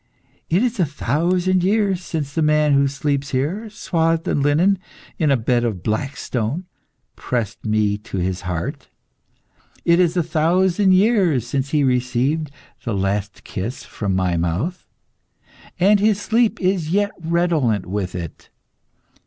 It is a thousand years since the man who sleeps here, swathed in linen, in a bed of black stone, pressed me to his heart. It is a thousand years since he received the last kiss from my mouth, and his sleep is yet redolent with it.